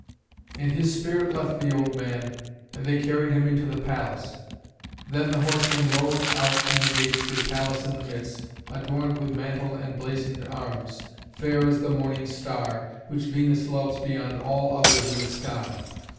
And his spirit left the old man, and they carried him into the palace. Then the horsemen rode out from the gates, with Pallas in the midst, adorned with mantle and blazoned arms, fair as the Morning Star, which Venus loves beyond all others in the sky.